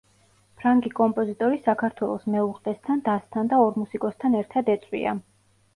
ფრანგი კომპოზიტორი საქართველოს მეუღლესთან, დასთან და ორ მუსიკოსთან ერთად ეწვია.